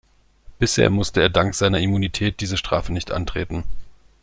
Bisher musste er dank seiner Immunität diese Strafe nicht antreten.